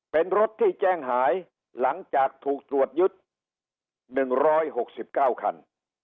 เป็นรถที่แจ้งหายหลังจากถูกตรวจยึด๑๖๙คัน